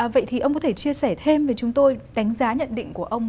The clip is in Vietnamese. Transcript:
vậy thì ông có thể chia sẻ thêm về chúng tôi đánh giá nhận định của ông